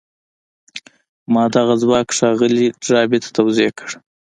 ما دغه ځواک ښاغلي ډاربي ته توضيح کړ.